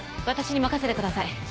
「私に任せてください」